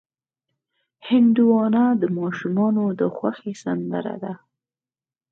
هندوانه د ماشومانو د خوښې سندره ده.